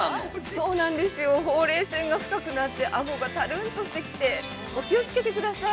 ◆そうなんですよ、ほうれい線が太くなって、あごがたるっとしてきてお気をつけてください。